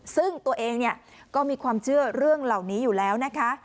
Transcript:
ซึ่งตัวเองเนี่ยก็มีความเชื่อเรื่องเหล่านี้อยู่แล้วนะคะ